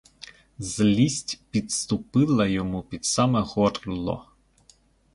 Злість підступила йому під саме горло.